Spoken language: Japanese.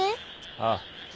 ああ。